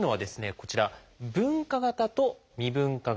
こちら「分化型」と「未分化型」